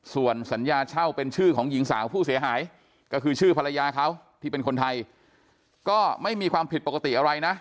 ส่วนสัญญาเช่าเป็นชื่อของหญิงสาวผู้เสียหายก็คือชื่อภรรยาเขาที่เป็นคนไทย